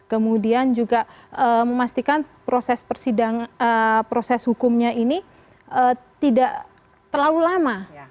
kemudian juga memastikan proses persidangan proses hukumnya ini tidak terlalu lama